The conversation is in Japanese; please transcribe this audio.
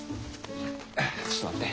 ちょっと待って。